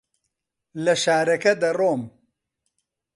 لە شارەکە دەڕۆم.